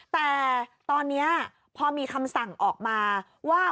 แต่ตอนนี้พอมีคำสั่งออกมาว่า